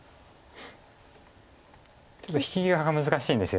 ちょっと引き際が難しいんですよね。